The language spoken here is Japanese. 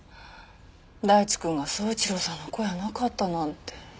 大地くんが宗一郎さんの子やなかったなんて。